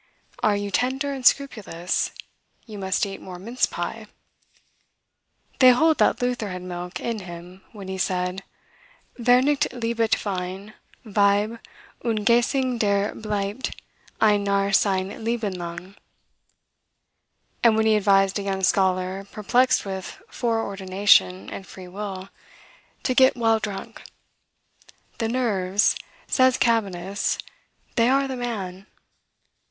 Are you tender and scrupulous, you must eat more mince pie. They hold that Luther had milk in him when he said, "Wer nicht liebt Wein, Weib, und Gesang Der bleibt ein Narr sein Leben lang," and when he advised a young scholar perplexed with fore ordination and free will, to get well drunk. "The nerves," says Cabanis, "they are the man."